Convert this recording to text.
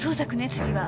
次は。